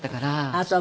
あっそう。